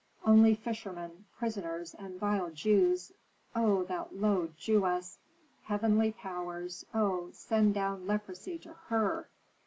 Only fishermen, prisoners, and vile Jews Oh, that low Jewess! Heavenly powers, oh, send down leprosy to her!"